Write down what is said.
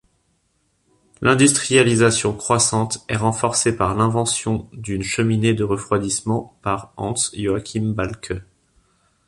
L'industrialisation croissante est renforcée par l'invention d´une cheminée de refroidissement par Hans-Joackim Balcke.